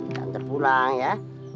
tak antar pulang ya